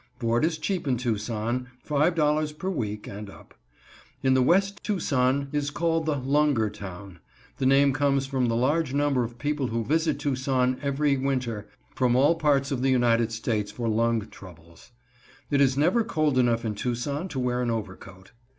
Board is cheap in Tucson, $5.00 per week and up. In the West Tucson is called the "lunger" town. The name comes from the large number of people who visit Tucson every winter from all parts of the United States for lung troubles. It is never cold enough in Tucson to wear an overcoat.